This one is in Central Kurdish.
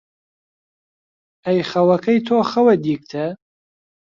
ئەی خەوەکەی تۆ خەوە دیگتە،